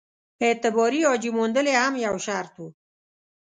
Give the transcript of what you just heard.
اعتباري حاجي موندل یې هم یو شرط وو.